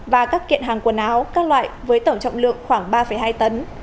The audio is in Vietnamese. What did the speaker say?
và các kiện hàng quần áo các loại với tổng trọng lượng khoảng ba hai tấn